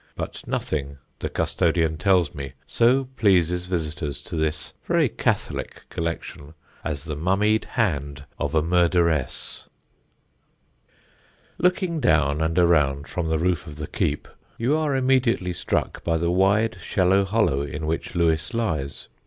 But nothing, the custodian tells me, so pleases visitors to this very catholic collection as the mummied hand of a murderess. [Sidenote: THE BATTLE OF LEWES] Looking down and around from the roof of the keep, you are immediately struck by the wide shallow hollow in which Lewes lies.